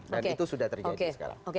dan itu sudah terjadi sekarang